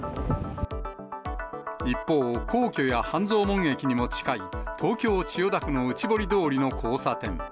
一方、皇居や半蔵門駅にも近い、東京・千代田区の内堀通りの交差点。